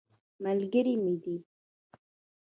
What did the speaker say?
ملګری مې دی.